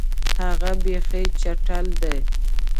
هغه بیخي چټل دی.